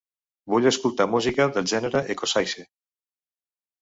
Vull escoltar música del gènere Ecossaise